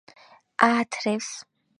აათრევს